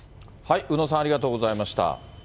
宇野さん、ありがとうございました。